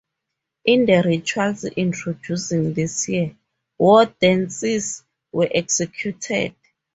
In the rituals introducing this year, war dances were executed.